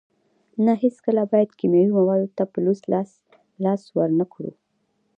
نه هیڅکله باید کیمیاوي موادو ته په لوڅ لاس لاس ورنکړو.